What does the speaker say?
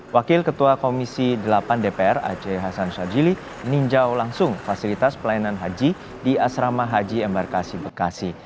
wakil ketua komisi delapan dpr aceh hasan shajili meninjau langsung fasilitas pelayanan haji di asrama haji embarkasi bekasi